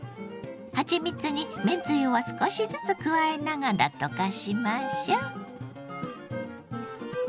はちみつにめんつゆを少しずつ加えながら溶かしましょう。